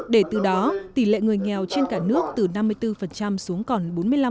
để từ đó tỷ lệ người nghèo trên cả nước từ năm mươi bốn xuống còn bốn mươi năm